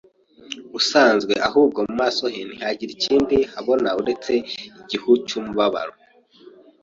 usanzwe ahubwo mu maso he ntihagira ikindi bahabona uretse igihu cy'umubabaro.